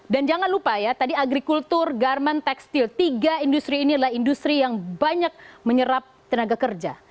dan jangan lupa ya tadi agrikultur garmen tekstil tiga industri ini adalah industri yang banyak menyerap tenaga kerja